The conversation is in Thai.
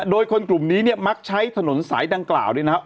โดยคนกลุ่มนี้มากใช้ถนนสายดังกล่าวดีนะฮะ